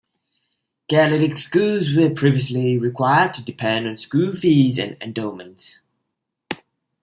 Catholic schools were previously required to depend on school fees and endowments.